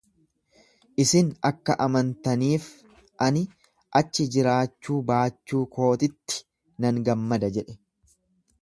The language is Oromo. Isin akka amantaniif ani achi jiraachuu baachuu kootitti nan gammada jedhe.